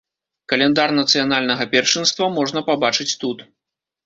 Каляндар нацыянальнага першынства можна пабачыць тут.